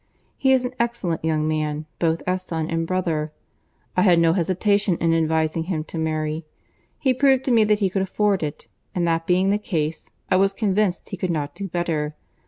He is an excellent young man, both as son and brother. I had no hesitation in advising him to marry. He proved to me that he could afford it; and that being the case, I was convinced he could not do better.